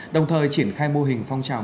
đồng thời triển khai mô hình phong trào